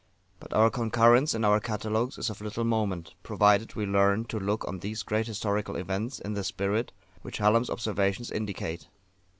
But our concurrence in our catalogues is of little moment, provided we learn to look on these great historical events in the spirit which Hallam's observations indicate.